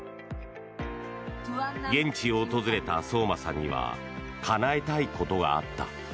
現地を訪れた聡真さんにはかなえたいことがあった。